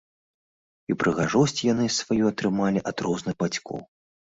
І прыгажосць яны сваю атрымалі ад розных бацькоў.